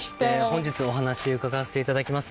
本日お話を伺わせて頂きます